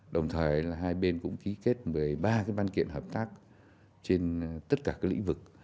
đồng thời hai bên cũng ký kết một mươi ba ban kiện hợp tác trên tất cả các lĩnh vực